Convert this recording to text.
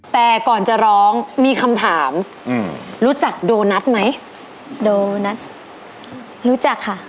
แต่ก่อนจะร้องมีคำถามอืมรู้จักโดนัทไหมโดนัทรู้จักค่ะ